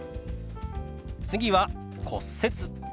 次は「骨折」。